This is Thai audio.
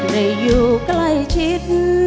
ได้อยู่ใกล้ชิด